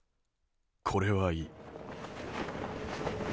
これはいい。